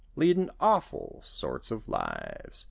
Leadin' awful sorts of lives.